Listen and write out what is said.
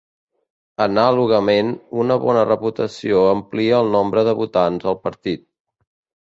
Anàlogament, una bona reputació amplia el nombre de votants al partit.